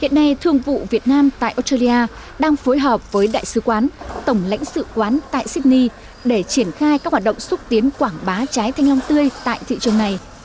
hiện nay thương vụ việt nam tại australia đang phối hợp với đại sứ quán tổng lãnh sự quán tại sydney để triển khai các hoạt động xúc tiến quảng bá trái thanh long tươi tại thị trường này